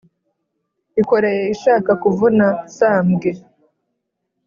ikoreye ishaka kuvuna sambwe